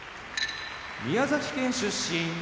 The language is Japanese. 宮崎県出身